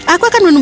aku akan menunggu